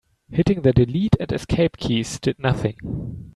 Hitting the delete and escape keys did nothing.